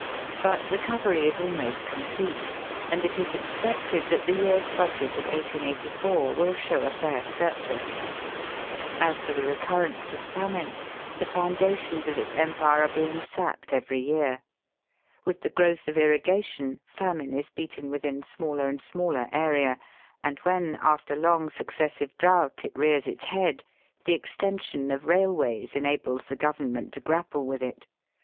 But recovery is almost complete, and it is expected that the year's Budget of 1884 will show a fair surplus. As to the recurrence of famine, the foundations of its empire are being sapped Digitized by VjOOQIC 332 EAST BY WEST. every year. With the growth of irrigation famine is beaten within smaller and smaller •area, and when after long successive drought it rears its head, the extension of railways •enables the Government to grapple with it.